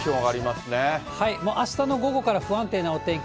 あしたの午後から不安定なお天気。